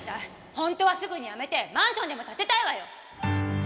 本当はすぐにやめてマンションでも建てたいわよ！